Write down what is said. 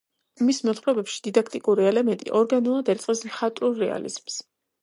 მის მოთხრობებში დიდაქტიკური ელემენტი ორგანულად ერწყმის მხატვრულ რეალიზმს.